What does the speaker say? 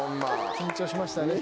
緊張しましたね。